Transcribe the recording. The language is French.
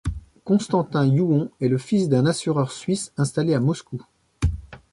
Constantin Youon est le fils d'un assureur suisse installé à Moscou.